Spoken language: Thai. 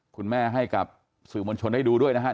คุณแม่ให้กับสื่อมวลชนให้ดูด้วยนะครับ